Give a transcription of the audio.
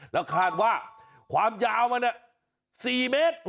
แล้วคาดว่าความยาวมัน๔เมตร